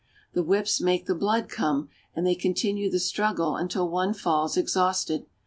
The whips make the blood come, and they continue the struggle until one falls exhausted.